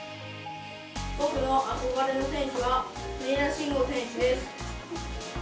僕の憧れの選手は国枝慎吾選手です。